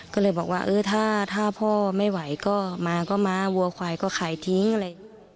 ก็เลยบอกว่าเออถ้าพ่อไม่ไหวก็มาก็มาวัวควายก็ขายทิ้งอะไร